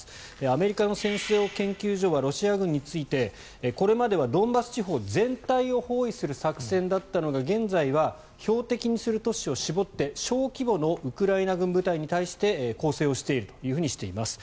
アメリカの戦争研究所はロシア軍についてこれまではドンバス地方全体を包囲する作戦だったのが現在は標的にする都市を絞って小規模のウクライナ軍部隊に対して攻勢をしているとしています。